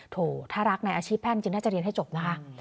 ถ้ารักในอาชีพแพทย์จริงน่าจะเรียนให้จบนะคะ